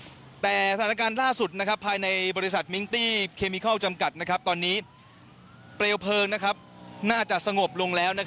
แต่สถานการณ์ล่าสุดภายในบริษัทมิงตี้เคมิเคิลจำกัดตอนนี้เปลวเพลิงน่าจะสงบลงแล้ว